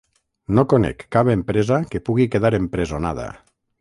No conec cap empresa que pugui quedar empresonada.